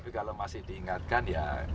tapi kalau masih diingatkan ya